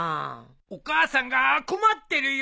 お母さんが困ってるよ。